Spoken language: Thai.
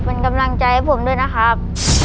เป็นกำลังใจให้ผมด้วยนะครับ